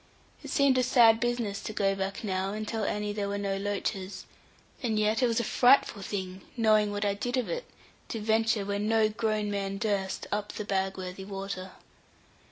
It seemed a sad business to go back now and tell Annie there were no loaches; and yet it was a frightful thing, knowing what I did of it, to venture, where no grown man durst, up the Bagworthy water.